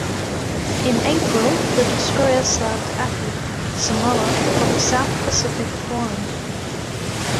In April, the destroyer sailed to Apia, Samoa for the South Pacific Forum.